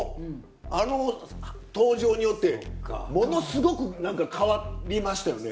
あの登場によってものすごくなんか変わりましたよね